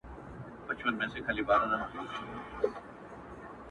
نه د غریب یم، نه د خان او د باچا زوی نه یم.